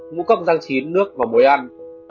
mũ cốc răng chín nước và mối ăn